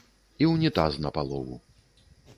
І унітаз на палову.